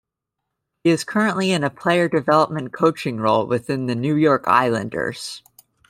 He is currently in a player development coaching role within the New York Islanders.